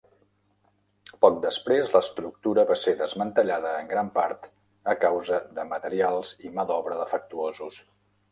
Poc després, l'estructura va ser desmantellada en gran part a causa de materials i mà d'obra defectuosos.